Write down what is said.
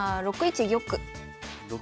６一玉。